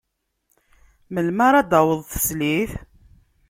Melmi ara d-taweḍ teslit?